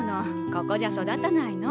ここじゃ育たないの。